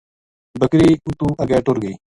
بکری اُتو اگے ٹر گئی۔